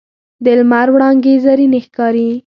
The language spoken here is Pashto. د لمر وړانګې زرینې ښکاري